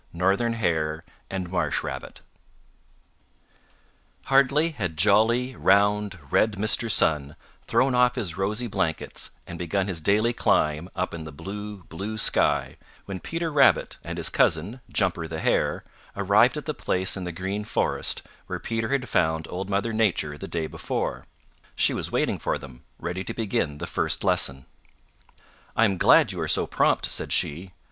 CHAPTER II Peter and Jumper go to School Hardly had jolly, round, red Mr. Sun thrown off his rosy blankets and begun his daily climb up in the blue, blue sky when Peter Rabbit and his cousin, Jumper the Hare, arrived at the place in the Green Forest where Peter had found Old Mother Nature the day before. She was waiting for them, ready to begin the first lesson. "I am glad you are so prompt," said she.